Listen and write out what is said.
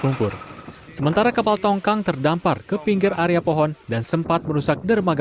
lumpur sementara kapal tongkang terdampar ke pinggir area pohon dan sempat merusak dermaga